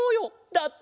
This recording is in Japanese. だって。